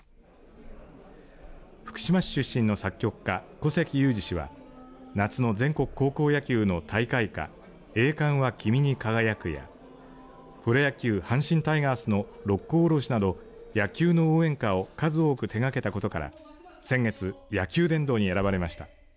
福島市出身の作曲家古関裕而氏は夏の全国高校野球の大会歌栄冠は君に輝くやプロ野球阪神タイガースの六甲おろしなど野球の応援歌を数多く手がけたことから先月、野球殿堂に選ばれました。